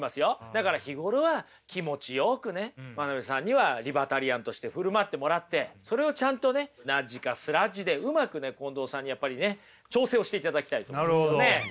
だから日頃は気持ちよくね真鍋さんにはリバタリアンとして振る舞ってもらってそれをちゃんとねナッジかスラッジでうまくね近藤さんにやっぱりね調整をしていただきたいと思うんですよね。